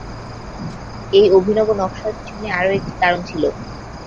এই অভিনব নকশার পিছনে আরও একটি কারণ ছিল।